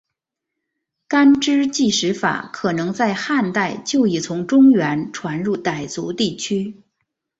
干支纪时法可能在汉代就已从中原传入傣族地区。